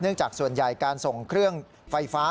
จากส่วนใหญ่การส่งเครื่องไฟฟ้า